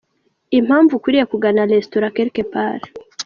Impamvu ukwiriye kugana Restaurant Quelque Part.